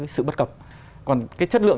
sự bất cập còn cái chất lượng